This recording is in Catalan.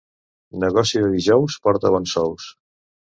Negoci de dijous porta bons sous.